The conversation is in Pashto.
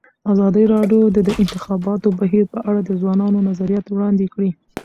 ازادي راډیو د د انتخاباتو بهیر په اړه د ځوانانو نظریات وړاندې کړي.